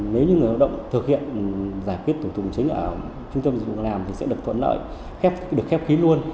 nếu như người hợp động thực hiện giải quyết thủ tục chính ở trung tâm dịch vụ việc làm thì sẽ được thuận lợi được khép ký luôn